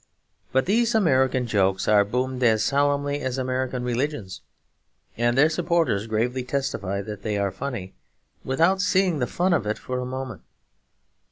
But these American jokes are boomed as solemnly as American religions; and their supporters gravely testify that they are funny, without seeing the fun of it for a moment.